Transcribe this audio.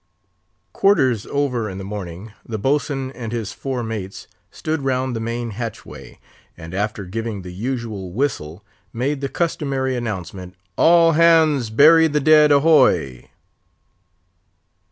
Quarters over in the morning, the boatswain and his four mates stood round the main hatchway, and after giving the usual whistle, made the customary announcement—"_All hands bury the dead, ahoy!